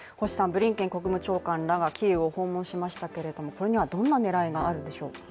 ブリンケン国務長官らがキーウを訪問しましたけれどもこれにはどんな狙いがあるでしょう。